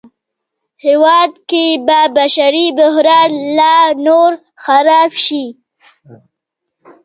هېواد کې به بشري بحران لا نور خراب شي